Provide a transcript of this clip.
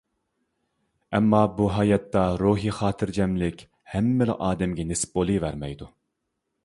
ئەمما بۇ ھاياتتا روھىي خاتىرجەملىك ھەممىلا ئادەمگە نېسىپ بولۇۋەرمەيدۇ.